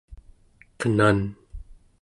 qenan